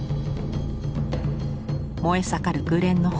燃え盛る紅蓮の炎。